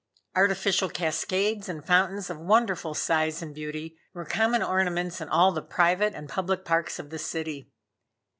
Artificial cascades and fountains of wonderful size and beauty were common ornaments in all the private and public parks of the city.